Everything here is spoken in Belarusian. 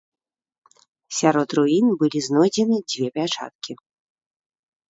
Сярод руін былі знойдзены дзве пячаткі.